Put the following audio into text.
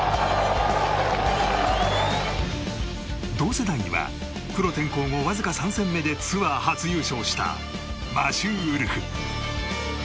同世代にはプロ転向後わずか３戦目でツアー初優勝したマシュー・ウルフ。